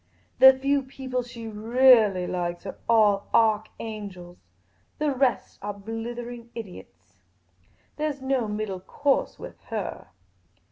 The few people she reahlly likes are all arch angels ; the rest are blithering idiots ; there 's no middle course with her."